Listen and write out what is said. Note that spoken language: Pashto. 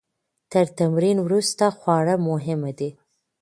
تر تمرین وروسته خواړه مهم دي.